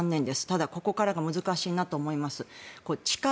ただ、ここからが難しいなと思います。